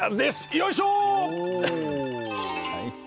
よいしょ！